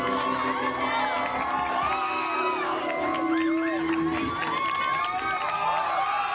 ขอบคุณศิลปกรณ์ทุกคนขอบคุณมากผมไม่เจอกันแล้วครับ